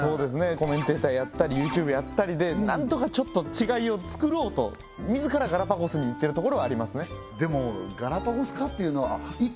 コメンテーターやったりＹｏｕＴｕｂｅやったりで何とかちょっと違いをつくろうと自らガラパゴスに行ってるところはありますねでもガラパゴス化っていうのはいた！